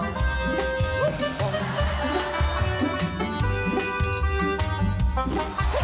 ไม่ไปแล้ว